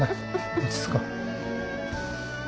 落ち着こう。